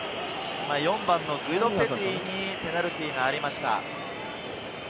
４番のグィド・ペティにペナルティーがありました。